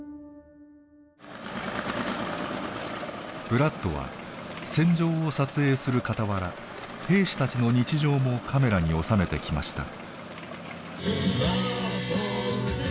ブラッドは戦場を撮影するかたわら兵士たちの日常もカメラに収めてきました。